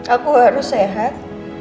aku harus sehat